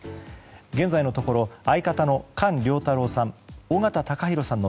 現在のところ相方の菅良太郎さん